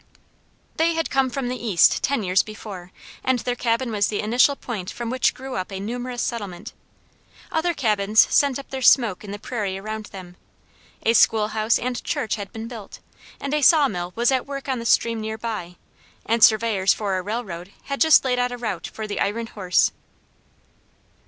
They had come from the East ten years before, and their cabin was the initial point from which grew up a numerous settlement. Other cabins sent up their smoke in the prairie around them. A school house and church had been built, and a saw mill was at work on the stream near by, and surveyors for a railroad had just laid out a route for the iron horse.